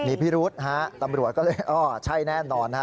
มีพิรุษฮะตำรวจก็เลยเออใช่แน่นอนฮะ